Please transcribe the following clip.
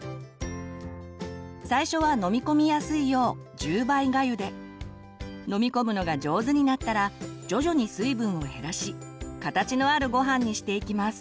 最初は飲み込みやすいよう１０倍がゆで飲み込むのが上手になったら徐々に水分を減らし形のあるごはんにしていきます。